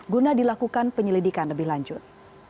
guna dilakukan penyelidikan lebih lanjut